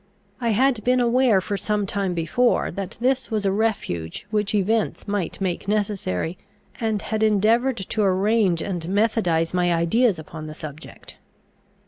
I had been aware for some time before that this was a refuge which events might make necessary, and had endeavoured to arrange and methodise my ideas upon the subject.